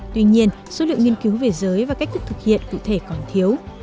tuy nhiên số lượng nghiên cứu về giới và cách thức thực hiện cụ thể còn thiếu